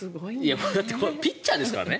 ピッチャーですからね。